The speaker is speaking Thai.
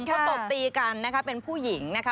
เพราะตบตีกันเป็นผู้หญิงนะคะ